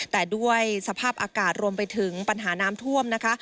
แต่ด้วยสภาพอากาศรวมไปถึงปัญหาน้ำท่วมนะคะ